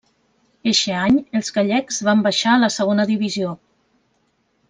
Eixe any els gallecs van baixar a segona divisió.